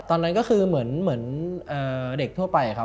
ตอนนั้นก็คือเหมือนเด็กทั่วไปครับ